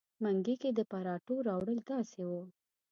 منګي کې د پراټو راوړل داسې وو.